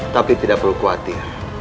tapi tidak perlu khawatir